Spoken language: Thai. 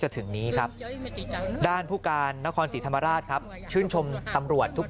ถึงนี้ครับด้านผู้การนครศรีธรรมราชครับชื่นชมตำรวจทุก